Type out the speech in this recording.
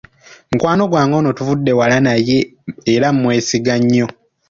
Mukwano gwange ono tuvudde wala era mmwesiga nnyo.